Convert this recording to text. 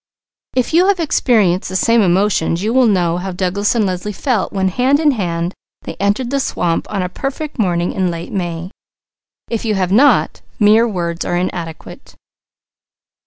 If you have experienced the same emotions you will know how Douglas and Leslie felt when hand in hand they entered the swamp on a perfect morning in late May. If you have not, mere words are inadequate.